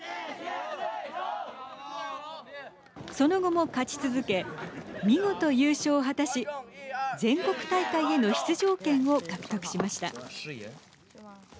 その後も勝ち続け見事優勝を果たし全国大会への出場権を獲得しました。